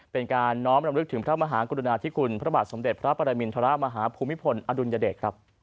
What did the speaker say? เป็นการน้อมรำลึกถึงพระมหากรุณาธิคุณพระบาทสมเด็จพระปรมินทรมาฮภูมิพลอดุลยเดชครับ